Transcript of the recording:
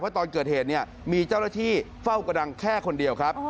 เพราะตอนเกิดเหตุนี้มีเจ้ารถที่เฝ้ากระดังแค่คนเดียวครับ